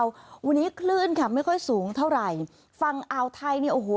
วันนี้คลื่นค่ะไม่ค่อยสูงเท่าไหร่ฝั่งอ่าวไทยเนี่ยโอ้โห